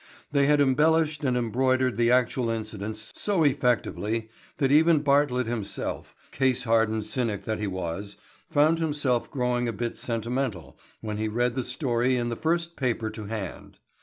They had embellished and embroidered the actual incidents so effectively that even Bartlett himself, case hardened cynic that he was, found himself growing a bit sentimental when he read the story in the first paper to hand.